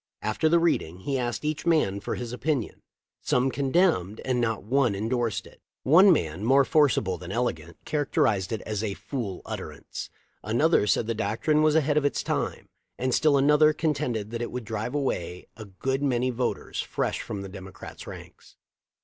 After ' the reading he asked each man for his opinion. Some condemned and not one endorsed it. One man, more forcible than elegant, characterized it as a "d— 4 fool utterance;" another said the doctrine was "ahead of its time;" and still another contended that it would drive away a good many voters fresh from the Democrats ranks.